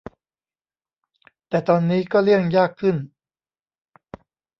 แต่ตอนนี้ก็เลี่ยงยากขึ้น